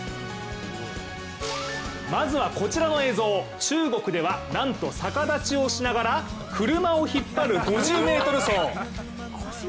まずはこちらの映像、中国ではなんと逆立ちをしながら車を引っ張る５０ｍ走。